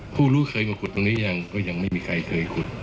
ผู้รู้เคยมาขุดตรงนี้ยังก็ยังไม่มีใครเคยขุด